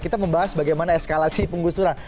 kita membahas bagaimana eskalasi penggusuran